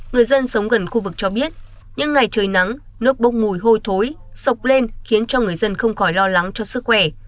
người dân sống gần khu vực cho biết những ngày trời nắng nước bốc mùi hôi thối sọc lên khiến cho người dân không khỏi lo lắng cho sức khỏe